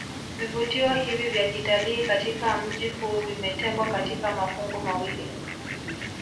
Vivutio hivi vya kitalii katika mji huu vimetengwa katika mafungu mawili